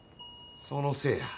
そのせいや。